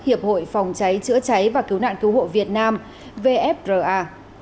hiệp hội phòng cháy chữa cháy và cứu nạn cứu hộ việt nam vfra